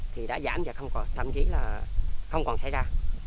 thì đã giảm và thậm chí là không còn xảy ra